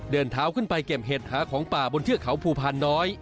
เดินเท้าขึ้นไปเก็บเห็ดหาของป่าบนเทือกเขาภูพานน้อย